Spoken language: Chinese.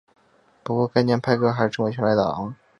不过该年派克还是成为全垒打王。